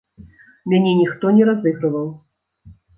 Мяне ніхто не разыгрываў.